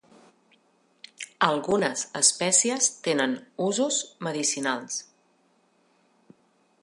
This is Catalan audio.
Algunes espècies tenen usos medicinals.